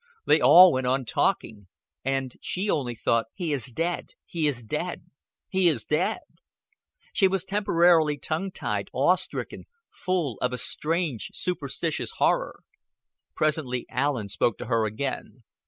They all went on talking; and she only thought: "He is dead. He is dead. He is dead." She was temporarily tongue tied, awestricken, full of a strange superstitious horror. Presently Allen spoke to her again.